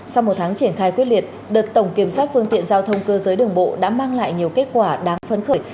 sau một tháng triển khai quyết liệt đợt tổng kiểm soát phương tiện giao thông cơ giới đường bộ đã mang lại nhiều kết quả đáng phấn khởi